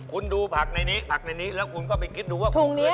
คุณดูผักในนี้ผักในนี้แล้วคุณก็ไปคิดดูว่าคุณเคย